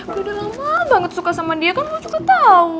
gue udah lama banget suka sama dia kan lo juga tau